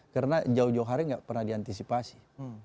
karena jauh jauh hari nggak pernah diantisipasi